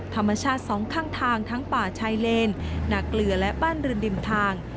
ธรรมชาติสองข้างทางทั้งป่าชายเลนนาเกลือและบ้านเรือนริมทาง